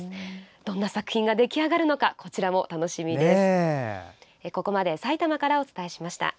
どんな作品が出来上がるのかこちらも楽しみです。